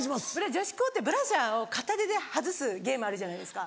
女子校ってブラジャーを片手で外すゲームあるじゃないですか。